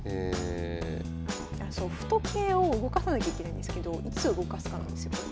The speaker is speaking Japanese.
歩と桂を動かさなきゃいけないんですけどいつ動かすかなんですよね。